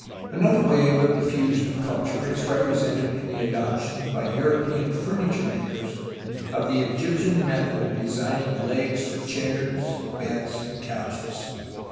Another wave of diffusion of culture is represented in the adoption by European furniture makers of the Egyptian method of designing legs for chairs, beds and couches.